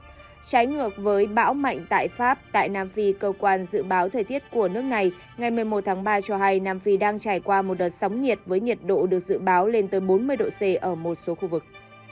trong trái ngược với bão mạnh tại pháp tại nam phi cơ quan dự báo thời tiết của nước này ngày một mươi một tháng ba cho hay nam phi đang trải qua một đợt sóng nhiệt với nhiệt độ được dự báo lên tới bốn mươi độ c ở một số khu vực